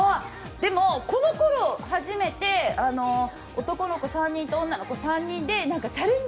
このころ、初めて男の子３人と女の子３人でカレーのチャレンジ